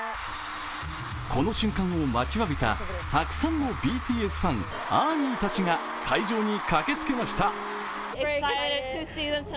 この瞬間を待ちわびたたくさんのＢＴＳファン、ＡＲＭＹたちが会場に駆けつけました。